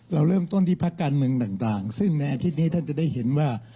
เราเริ่มต้นที่พักการเมืองต่างซึ่งในอาทิตย์นี้ท่านจะได้เห็นว่า